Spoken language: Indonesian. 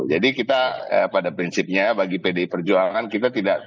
jadi kita pada prinsipnya bagi pdi perjuangan kita tidak